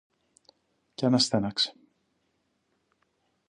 Και αναστέναξε